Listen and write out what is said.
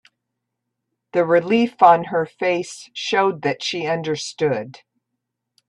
The relief on her face showed that she understood.